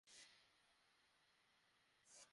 কিন্তু শহর থেকে কোন ঝড় ওঠে না।